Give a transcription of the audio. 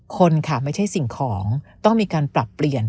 คนค่ะไม่ใช่สิ่งของต้องมีการปรับเปลี่ยน